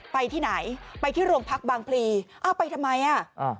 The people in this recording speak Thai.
ไปที่ไหนไปที่โรงพักบางพลีไปทำไม